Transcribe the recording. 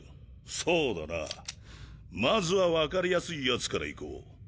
そうだなまずは分かりやすいやつからいこう。